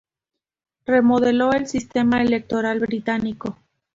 Remodeló el sistema electoral británico.